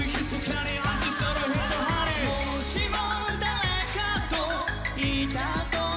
「もしも誰かといた時は」